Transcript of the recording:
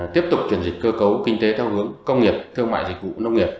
tiếp tục chuyển dịch cơ cấu kinh tế theo hướng công nghiệp thương mại dịch vụ nông nghiệp